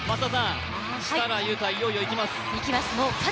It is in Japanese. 設楽悠太、いよいよ行きます。